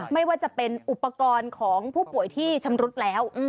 ไม่ว่าจะเป็นอุปกรณ์ของผู้ป่วยที่ชำรุดแล้ว